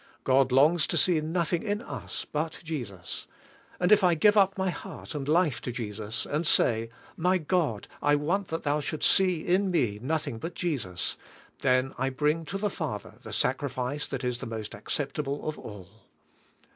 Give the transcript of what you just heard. God longs to see nothing in us but Jesus, and if I give up my heart and life to Jesus, and say, "My God, I want that Thou shouldst see in me nothing but Jesus," then I bring to the Father the sacrifice that is the most acceptable of all.